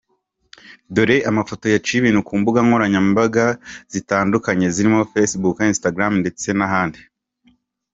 Dore amafoto yaciye ibntu ku mbuga nkoranyambaga zitandukanye zirimo Facebook ,Instagram ndetse n’ahandi.